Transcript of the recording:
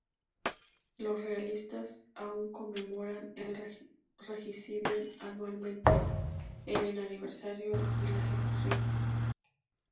Los realistas aún conmemoran el regicidio anualmente en el aniversario de la ejecución.